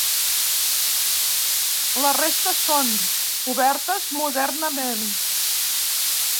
La resta són obertes modernament.